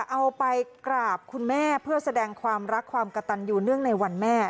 เอาไปกราบคุณแม่เพื่อแสดงความรักความกระตันอยู่เนื่องในวันแม่